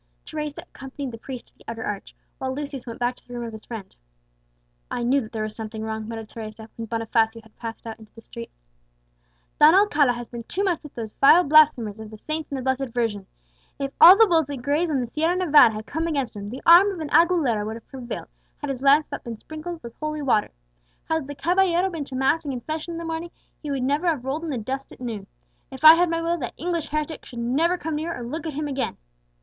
Teresa accompanied the priest to the outer arch, while Lucius went back to the room of his friend. "I knew that there was something wrong," muttered Teresa, when Bonifacio had passed out into the street. "Don Alcala has been too much with those vile blasphemers of the saints and the blessed Virgin. If all the bulls that graze on the Sierra Nevada had come against him, the arm of an Aguilera would have prevailed, had his lance but been sprinkled with holy water. Had the caballero been to mass and confession in the morning, he would never have rolled in the dust at noon. If I had my will, that English heretic should never come near or look at him again!"